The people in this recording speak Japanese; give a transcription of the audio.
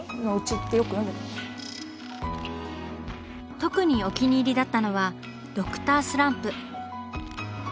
特にお気に入りだったのは「Ｄｒ．スランプ」。